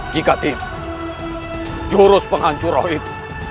jika tim jurus penghancur rohit